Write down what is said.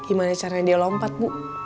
gimana caranya dia lompat bu